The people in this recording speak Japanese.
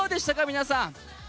皆さん。